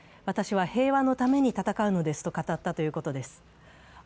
私は平和のために戦うのですと語ったということです。